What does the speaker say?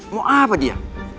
mau apa dia